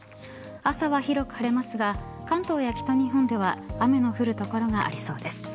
朝は広く晴れますが関東や北日本では雨の降る所がありそうです。